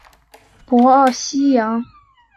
博奥西扬。